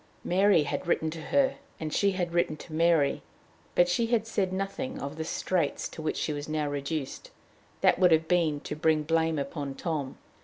Mary had written to her, and she had written to Mary; but she had said nothing of the straits to which she was reduced; that would have been to bring blame upon Tom.